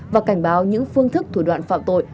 và cảnh báo những phương thức thủ đoạn phạm tội